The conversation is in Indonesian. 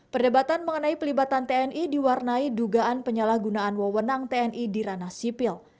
perdebatan mengenai pelibatan tni diwarnai dugaan penyalahgunaan wewenang tni di ranah sipil